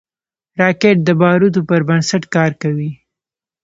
راکټ د بارودو پر بنسټ کار کوي